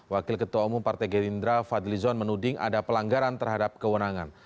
wakil ketua umum partai gerindra fadlizon menuding ada pelanggaran terhadap kewenangan